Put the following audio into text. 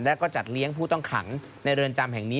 แล้วก็จัดเลี้ยงผู้ต้องขังในเรือนจำแห่งนี้